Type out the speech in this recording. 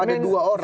ada dua orang